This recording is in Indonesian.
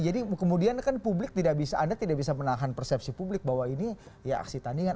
jadi kemudian kan publik tidak bisa anda tidak bisa menahan persepsi publik bahwa ini ya aksi tandingan